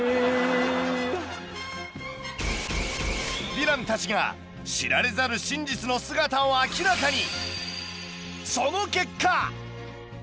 ヴィランたちが知られざる真実の姿を明らかに！